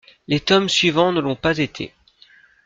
Les tomes suivants ne l'ont pas été.